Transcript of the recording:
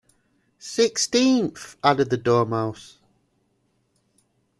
‘Sixteenth,’ added the Dormouse.